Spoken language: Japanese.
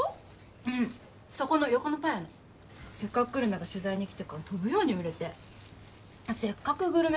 うんそこの横のパン屋の「せっかくグルメ！！」が取材に来てからとぶように売れて「せっかくグルメ！！」？